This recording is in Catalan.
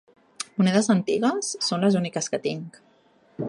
-Monedes antigues… Són de les úniques que tinc…